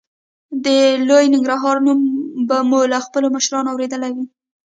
د لوی ننګرهار نوم به مو له خپلو مشرانو اورېدلی وي.